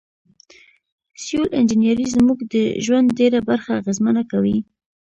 سیول انجنیری زموږ د ژوند ډیره برخه اغیزمنه کوي.